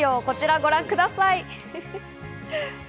こちらをご覧ください。